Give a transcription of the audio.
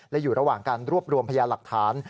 และอยู่ระหว่างการรวบรวมพยาหลักฐาน